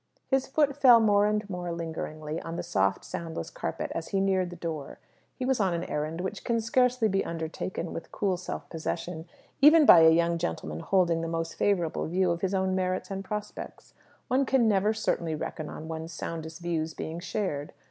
His foot fell more and more lingeringly on the soft, soundless carpet as he neared the door. He was on an errand which can scarcely be undertaken with cool self possession, even by a young gentleman holding the most favourable view of his own merits and prospects. One can never certainly reckon on one's soundest views being shared.